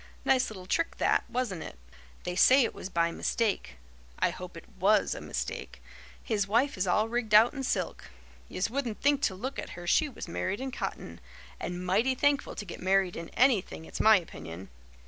Nice little trick that, wasn't it? They say it was by mistake. I hope it WAS a mistake. His wife is all rigged out in silk. Yez wouldn't think to look at her she was married in cotton and mighty thankful to get married in anything, it's my opinion.